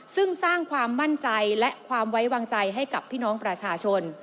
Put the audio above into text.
ซึ่งสร้างความมั่นใจและความไว้วางใจให้กับพี่น้องประชาชน